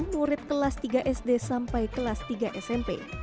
murid kelas tiga sd sampai kelas tiga smp